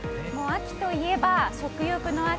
秋といえば食欲の秋。